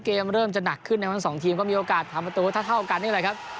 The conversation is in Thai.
เกมเริ่มจะหนักขึ้นนะครับทั้งสองทีมก็มีโอกาสทำประตูเท่ากันนี่แหละครับ